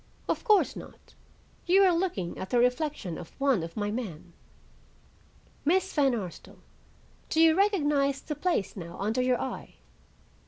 "Of course not. You are looking at the reflection of one of my men. Miss Van Arsdale, do you recognize the place now under your eye?"